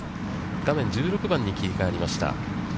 画面１６番に切りかわりました。